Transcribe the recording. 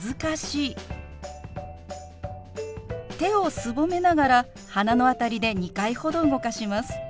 手をすぼめながら鼻の辺りで２回ほど動かします。